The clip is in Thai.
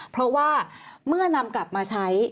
เพราะว่าเมื่อนำกลับมาใช้